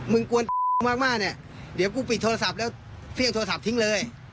กวนมากเนี่ยเดี๋ยวกูปิดโทรศัพท์แล้วเฟี่ยงโทรศัพท์ทิ้งเลย